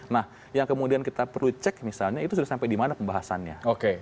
nah yang kemudian kita perlu cek misalnya itu sudah sampai di mana pembahasannya